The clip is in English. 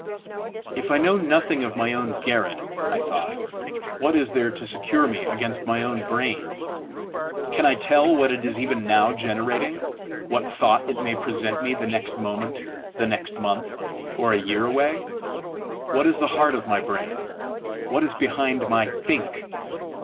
"If I know nothing of my own garret," I thought, "what is there to secure me against my own brain? Can I tell what it is even now generating? what thought it may present me the next moment, the next month, or a year away? What is at the heart of my brain? What is behind my THINK?